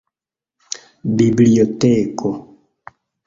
biblioteko